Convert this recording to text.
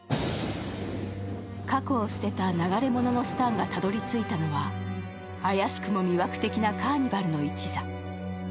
過去を捨てた流れ者のスタンがたどりついたのは怪しくも魅惑的なカーニバルの一座。